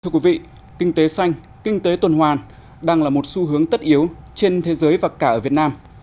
thưa quý vị kinh tế xanh kinh tế tuần hoàn đang là một xu hướng tất yếu trên thế giới và cả ở việt nam